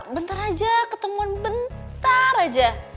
bentar aja ketemuan bentar aja